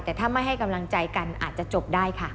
แต่ถ้าไม่ให้กำลังใจกันอาจจะจบได้ค่ะ